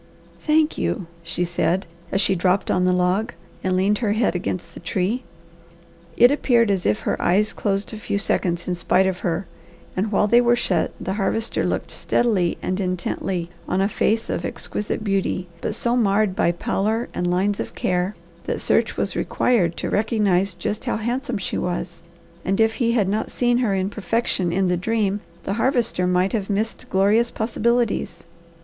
"Thank you!" she said as she dropped on the log and leaned her head against the tree. It appeared as if her eyes closed a few seconds in spite of her, and while they were shut the Harvester looked steadily and intently on a face of exquisite beauty, but so marred by pallor and lines of care that search was required to recognize just how handsome she was, and if he had not seen her in perfection in the dream the Harvester might have missed glorious possibilities.